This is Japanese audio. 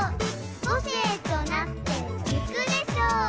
「個性となっていくでしょう！」